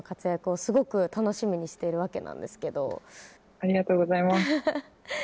ありがとうございます。